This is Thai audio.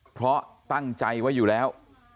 เพราะตั้งใจไว้อยู่แล้ว